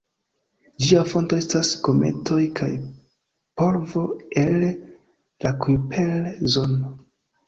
Ĝia fonto estas kometoj kaj polvo el la Kujper-zono.